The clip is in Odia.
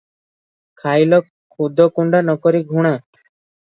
ଖାଇଲ ଖୁଦକୁଣ୍ଡା ନକରି ଘୃଣା